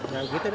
ya gitu deh